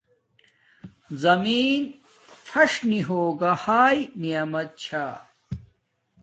زمین فش نی ہوگا ہاݵ نعمیت چھا